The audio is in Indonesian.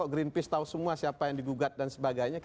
greenpeace tahu semua siapa yang digugat dan sebagainya